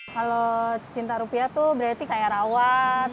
kalau cinta rupiah tuh berarti saya rawat